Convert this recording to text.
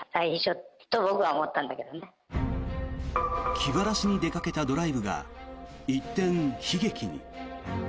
気晴らしに出かけたドライブが一転、悲劇に。